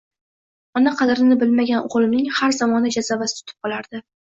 Ona qadrini bilmagan o`g`limning har zamonda jazavasi tutib qolardi